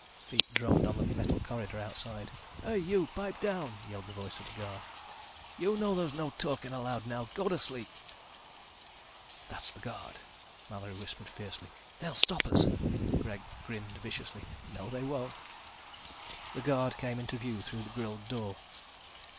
Feet drummed on the metal corridor outside. "Hey, you, pipe down!" yelled the voice of the guard. "You know there's no talking allowed now. Go to sleep." "That's the guard," Mallory whispered fiercely. "They'll stop us." Greg grinned viciously. "No, they won't." The guard came into view through the grilled door.